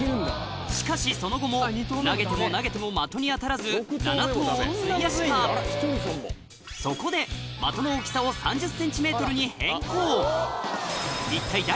しかしその後も投げても投げても的に当たらず７投を費やしたそこで的の大きさを３０ｃｍに変更